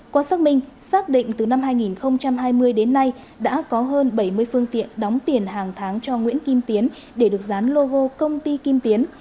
qua xác minh xác định từ năm hai nghìn hai mươi đến nay đã có hơn bảy mươi phương tiện đóng tiền hàng tháng cho nguyễn kim tiến để được dán logo công ty kim tiến